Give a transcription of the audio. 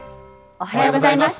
おはようございます。